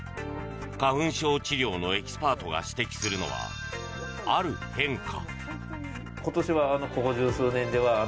花粉症治療のエキスパートが指摘するのは、ある変化。